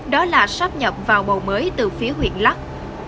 đó là sắp nhập vào bầu mới từ phía huyện lắc